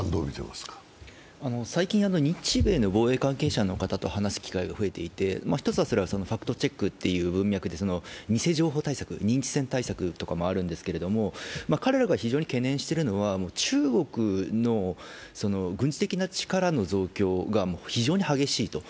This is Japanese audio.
最近、日米の防衛関係者の方と話す機会が増えていて、一つはファクトチェックという文脈で、偽情報対策、認知戦対策もあるんですけど、彼らが非常に懸念しているのは、中国の軍事的な力の増強が非常に激しいと。